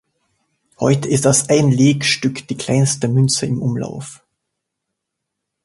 Heute ist das Ein-Lek-Stück die kleinste Münze im Umlauf.